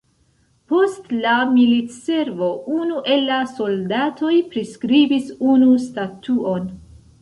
Post la militservo unu el la soldatoj priskribis unu statuon.